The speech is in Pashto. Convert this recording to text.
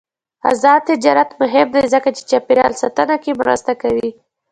آزاد تجارت مهم دی ځکه چې چاپیریال ساتنه کې مرسته کوي.